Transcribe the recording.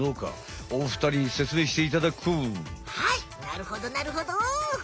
なるほどなるほど。